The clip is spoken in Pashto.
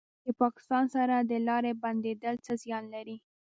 د پاکستان سره د لارې بندیدل څه زیان لري؟